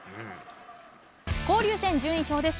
交流戦、順位表です。